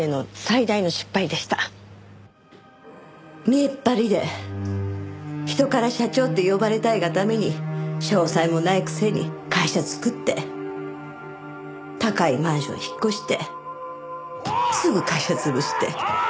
見えっ張りで人から社長って呼ばれたいがために商才もないくせに会社作って高いマンションに引っ越してすぐ会社潰して。